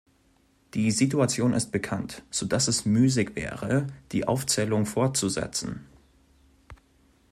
Die Situation ist bekannt, so dass es müßig wäre, die Aufzählung fortzusetzen.